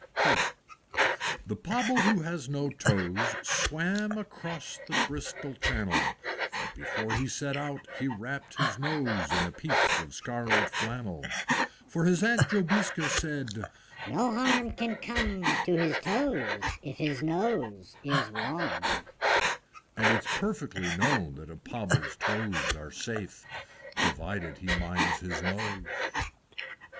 II. The Pobble who has no toes, Swam across the Bristol Channel; But before he set out he wrapped his nose In a piece of scarlet flannel. For his Aunt Jobiska said, "No harm Can come to his toes if his nose is warm; And it's perfectly known that a Pobble's toes Are safe provided he minds his nose."